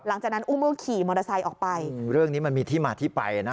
หลังจากนั้นอุ้มก็ขี่มอเตอร์ไซต์ออกไปอืมเรื่องนี้มันมีที่มาที่ไปน่ะ